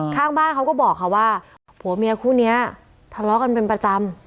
ข้างบ้านเขาก็บอกค่ะว่าผัวเมียคู่นี้ทะเลาะกันเป็นประจำ